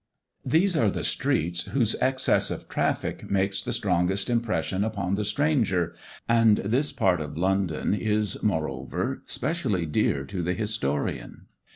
These are the streets whose excess of traffic makes the strongest impression upon the stranger; and this part of London is moreover specially dear to the historian.